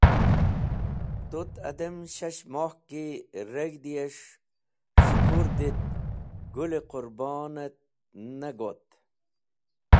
Tu’t adem shash moh ki reg̃dhi’es̃h s̃hukurdi’t, Gũl-e Qurbonet ne got.